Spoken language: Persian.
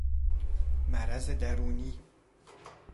مرض درونی